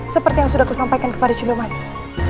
seperti yang sudah aku sampaikan kepada jundumanik